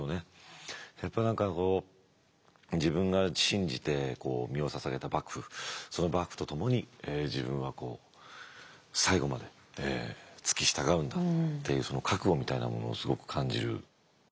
やっぱり何かこう自分が信じて身をささげた幕府その幕府と共に自分は最後まで付き従うんだっていうその覚悟みたいなものをすごく感じる。